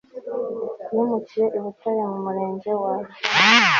yimukiye i butare mu murenge wa rango